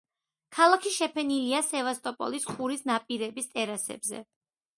ქალაქი შეფენილია სევასტოპოლის ყურის ნაპირების ტერასებზე.